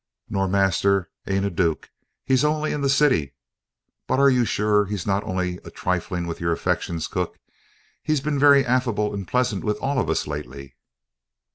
Nor yet master ain't a dook; he's only in the City! But are you sure he's not only a trifling with your affections, cook? He's bin very affable and pleasant with all of us lately."